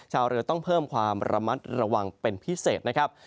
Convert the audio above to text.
ชาวเรือต้องเพิ่มความระมัดระวังเป็นพิเศษนะครับ